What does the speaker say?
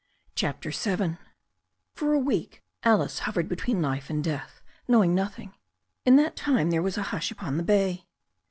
CHAPTER VII FOR a week Alice hovered between life and deaths knowing nothing. In that time there was a hush upon the bay.